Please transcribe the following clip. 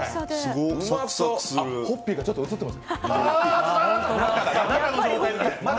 あっ、ホッピーがちょっと映ってます。